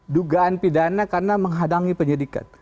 dugaan pidana karena menghadangi penyidikan